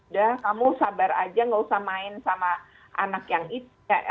dah kamu sabar aja gak usah main sama anak yang itu